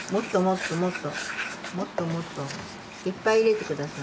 もっともっともっと。いっぱい入れて下さい。